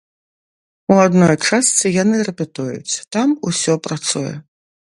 У адной частцы яны рэпетуюць, там усе працуе.